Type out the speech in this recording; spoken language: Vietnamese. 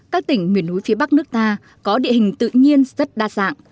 các tỉnh miền núi phía bắc nước ta có địa hình tự nhiên rất đa dạng